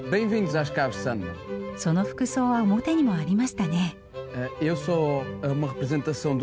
その服装は表にもありましたね。